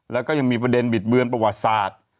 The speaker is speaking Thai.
แล้วก็ยังมีประเด็นบิดเบือนประวัติศาสตร์